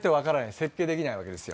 設計できないわけですよ